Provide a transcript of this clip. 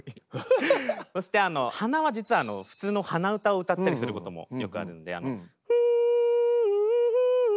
そして鼻は実は普通の鼻歌を歌ったりすることもよくあるんで。